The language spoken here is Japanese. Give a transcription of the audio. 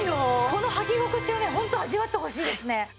この履き心地をねホント味わってほしいですね。